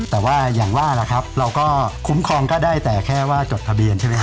แต่ว่าอย่างว่าล่ะครับเราก็คุ้มครองก็ได้แต่แค่ว่าจดทะเบียนใช่ไหมฮ